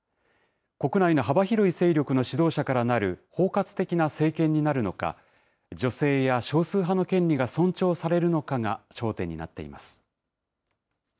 国内の幅広い勢力の指導者からなる包括的な政権になるのか、女性や少数派の権利が尊重されるのかが焦点になっています。